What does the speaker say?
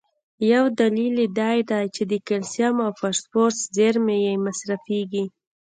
یو دلیل یې دا دی چې د کلسیم او فاسفورس زیرمي یې مصرفېږي.